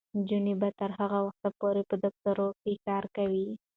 نجونې به تر هغه وخته پورې په دفترونو کې کار کوي.